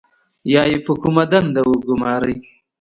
یا یې په کومه دنده وګمارئ.